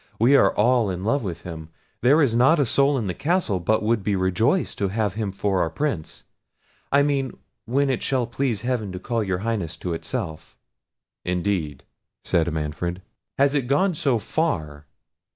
We are all in love with him; there is not a soul in the castle but would be rejoiced to have him for our Prince—I mean, when it shall please heaven to call your Highness to itself." "Indeed!" said Manfred, "has it gone so far!